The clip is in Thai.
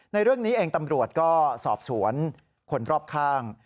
ในเรื่องนี้เองตำรวจก็สอบสวนคนรอบข้าง